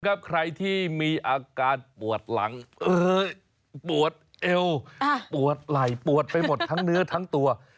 ใครที่มีอาการปวดหลังปวดเอวปวดไหล่ปวดไปหมดทั้งเนื้อทั้งตัว